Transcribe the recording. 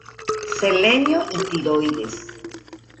Selenio y tiroides.